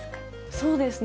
そうですね。